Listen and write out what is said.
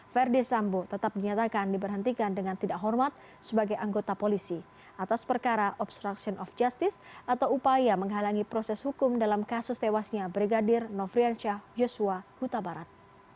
verdi sambo tetap dinyatakan diberhentikan dengan tidak hormat sebagai anggota polisi atas perkara obstruction of justice atau upaya menghalangi proses hukum dalam kasus tewasnya brigadir nofriansyah joshua huta barat